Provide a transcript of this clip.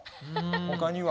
ほかには？